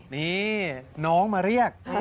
นี่น้องมาเรียก